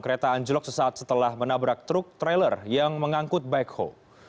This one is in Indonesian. kereta anjlok sesaat setelah menabrak truk trailer yang mengangkut bike hole